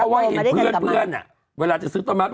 ดูเสียงเมื่อนเมื่อน่ะเวลาจะซื้อต้นมัส